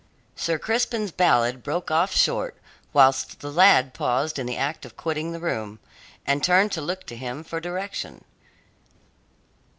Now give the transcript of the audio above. Sir Crispin's ballad broke off short, whilst the lad paused in the act of quitting the room, and turned to look to him for direction.